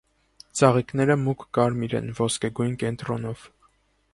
Ծաղիկները մուգ կարմիր են ոսկեգոիյն կենտրոնով։